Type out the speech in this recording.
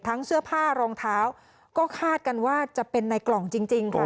เสื้อผ้ารองเท้าก็คาดกันว่าจะเป็นในกล่องจริงค่ะ